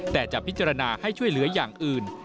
แต่จะพิจารณาให้ช่วยเหลืออย่างอื่น